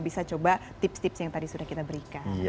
bisa coba tips tips yang tadi sudah kita berikan